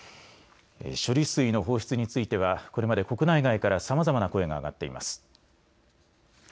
処理水の放出についてはこれまで国内外からさまざまな声が上がっています。